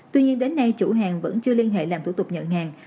tuy nhiên đến nay chủ hàng vẫn chưa liên hệ làm thủ tục nhận hàng